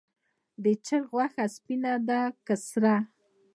د چرګ غوښه سپینه ده که سره؟